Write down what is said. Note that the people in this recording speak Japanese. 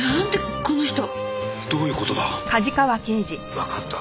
わかった。